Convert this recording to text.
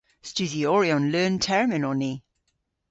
Studhyoryon leun-termyn on ni.